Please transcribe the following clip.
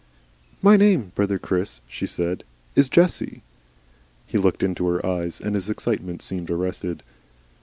"My name, brother Chris," she said, "is Jessie." He looked into her eyes, and his excitement seemed arrested.